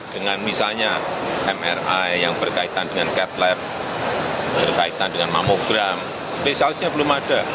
dengan misalnya mri yang berkaitan dengan cat lab berkaitan dengan mamogram spesialisnya belum ada